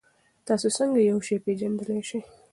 تاسې څنګه یو شی پېژندلای سئ؟